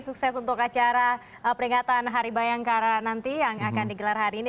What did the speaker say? sukses untuk acara peringatan hari bayangkara nanti yang akan digelar hari ini